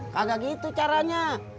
kagak gitu caranya